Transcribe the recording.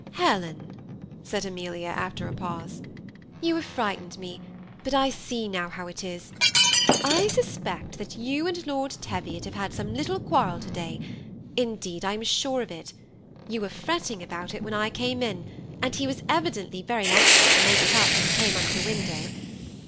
" Helen," said Amelia, after a pause, " you have fright ened me ; but I see now how it is. I suspect that you and Lord Teviot have had some little quarrel to day ; indeed, I am sure of it. You were fretting about it when I came in, and he was evidently very anxious to make it up when he came under the window.